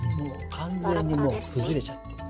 完全にもう崩れちゃってます。